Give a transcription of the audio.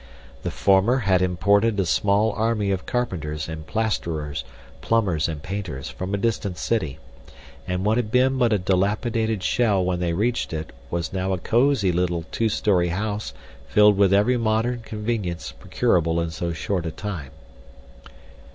The former had imported a small army of carpenters and plasterers, plumbers and painters from a distant city, and what had been but a dilapidated shell when they reached it was now a cosy little two story house filled with every modern convenience procurable in so short a time.